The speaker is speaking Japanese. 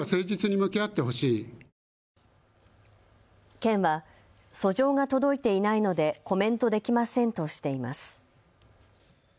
県は訴状が届いていないのでコメントできませんとしています。